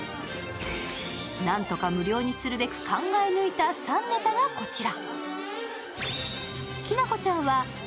なんとか無料にするべく、考え抜いた３ネタがこちら。